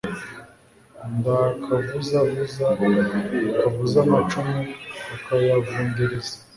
Ndi akavuzavuza, kavuza amacumu kakayavundereza